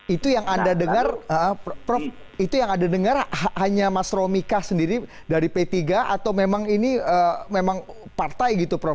itu yang anda dengar prof itu yang anda dengar hanya mas romika sendiri dari p tiga atau memang ini memang partai gitu prof